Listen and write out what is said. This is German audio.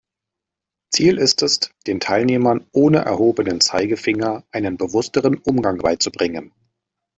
Ziel ist es, den Teilnehmern ohne erhobenen Zeigefinger einen bewussteren Umgang beizubringen.